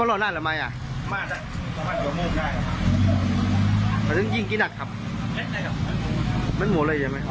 น้องน้าพี่อยู่ตรงไหนครับตรงไหน